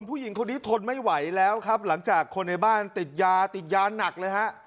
ผู้หญิงคนนี้ทนไม่ไหวแล้วครับหลังจากคนในบ้านติดยาติดยาหนักเลยฮะ